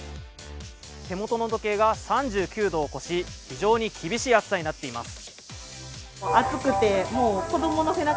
手元の温度計が３９度を超し、非常に厳しい暑さとなっています。